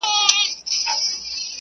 چي له خلوته مو د شیخ سیوری شړلی نه دی .